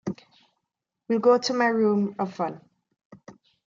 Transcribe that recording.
We'll go to my room of fun.